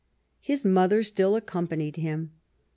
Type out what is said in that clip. His mother still accompanied him.